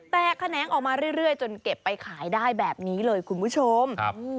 แขนงออกมาเรื่อยจนเก็บไปขายได้แบบนี้เลยคุณผู้ชม